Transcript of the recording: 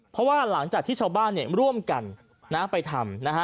เพราะว่าหลังจากที่ชาวบ้านร่วมกันไปทำ